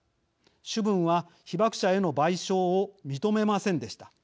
主文は、被爆者への賠償を認めませんでした。